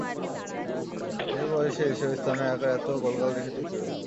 এই বয়সে এসেও স্তনের আকার এতো গোলগাল রেখেছ কীভাবে?